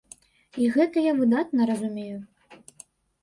І гэта я выдатна разумею.